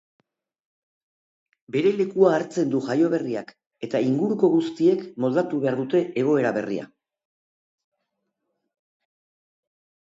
Bere lekua hartzen du jaioberriak eta inguruko guztiek moldatu behar dute egoera berrira.